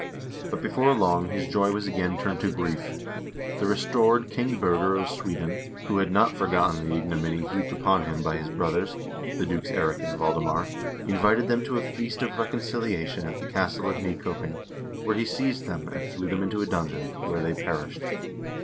But before long his joy was again turned to grief. The restored King Birger of Sweden, who had not forgot ten the ignominy heaped upon him by his brothers, the dukes Eirik and Valdemar, invited them to a feast of reconciliation at the castle of Nykoping, where he seized them and threw them into a dungeon, where they perished.